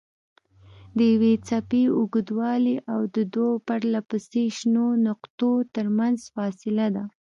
د یوې څپې اوږدوالی د دوو پرلهپسې شنو نقطو ترمنځ فاصله ده.